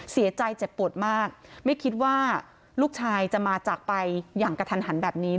เสียใจเจ็บปวดมากไม่คิดว่าลูกชายจะมาจากไปอย่างกระทันหันแบบนี้